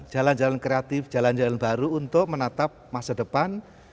jalan jalan kreatif jalan jalan baru untuk menatap masa depan